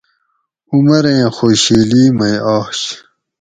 عمریں خوشیلی مئ آش